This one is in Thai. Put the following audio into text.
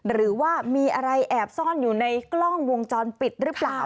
หรือว่ามีอะไรแอบซ่อนอยู่ในกล้องวงจรปิดหรือเปล่า